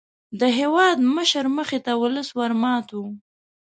د هېوادمشر مخې ته ولس ور مات وو.